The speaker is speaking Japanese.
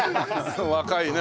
若いね。